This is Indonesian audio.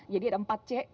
jadi ada empat c